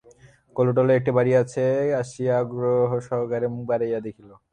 কলুটোলায় একটা বাড়ির কাছে আসিয়া আগ্রহসহকারে মুখ বাড়াইয়া দেখিল।